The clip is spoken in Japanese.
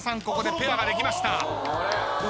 ここでペアができました。